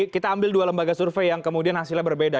kita ambil dua lembaga survei yang kemudian hasilnya berbeda